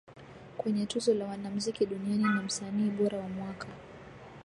Kwenye Tuzo la Wanamziki Duniani na Msanii bora wa Mwaka